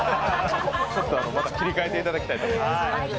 ちょっとまた切り替えていただきたいと思います。